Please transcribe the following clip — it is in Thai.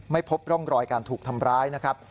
ไม่พบร่องรอยการถูกทำร้ายนะครับ